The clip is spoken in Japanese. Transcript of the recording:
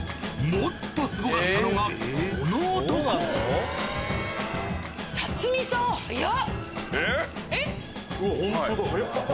もっとすごかったのがこの男えっ？